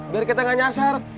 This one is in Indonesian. biar kita gak nyasar